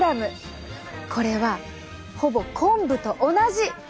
これはほぼ昆布と同じ！